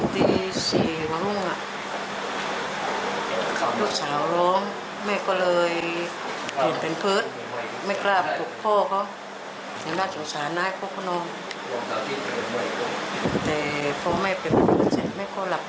แต่ไม่ควรหลับต่อไอ้น้องนอนแล้วไม่ควรหลับ